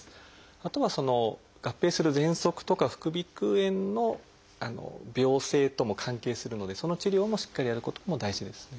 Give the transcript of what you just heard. あとは合併するぜんそくとか副鼻腔炎の病勢とも関係するのでその治療もしっかりやることも大事ですね。